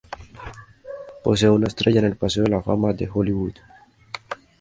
Posee una estrella en el Paseo de la fama de Hollywood.